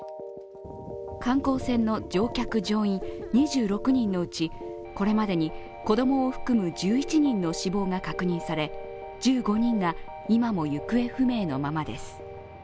観光船の乗客・乗員２６人のうち、これまでに子供を含む１１人の死亡が確認され、１５人が今も行方不明のままです。